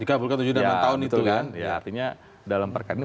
artinya dalam perkara ini